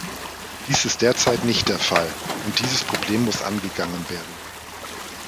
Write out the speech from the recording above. Dies ist derzeit nicht der Fall, und dieses Problem muss angegangen werden.